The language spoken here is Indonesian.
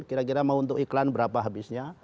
kira kira mau untuk iklan berapa habisnya